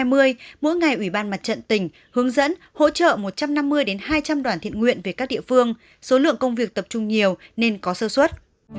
mỗi ngày ủy ban mặt trận tỉnh hướng dẫn hỗ trợ một trăm năm mươi hai trăm linh đoàn thiện nguyện về các địa phương số lượng công việc tập trung nhiều nên có sơ xuất